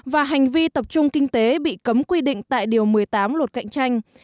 và hành vi tập trung kinh tế bị cấm quy định tại điều một mươi tám luật cạnh tranh